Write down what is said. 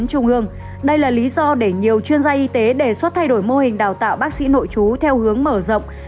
hội đề nhiều chuyên gia y tế đề xuất thay đổi mô hình đào tạo bác sĩ nội chú theo hướng mở rộng